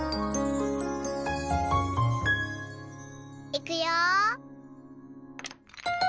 いくよ。